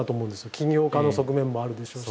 起業家の側面もあるでしょうし。